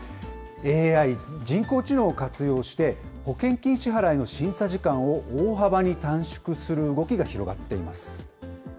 ＡＩ・人工知能を活用して、保険金支払いの審査時間を大幅に短縮する動きが広がっています。